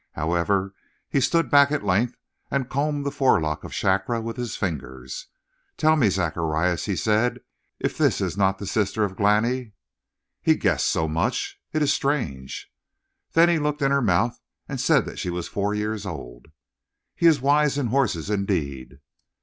"However, he stood back at length and combed the forelock of Shakra with his fingers. 'Tell me, Zacharias,' he said, 'if this is not the sister of Glani?'" "He guessed so much? It is strange!" "Then he looked in her mouth and said that she was four years old." "He is wise in horses, indeed."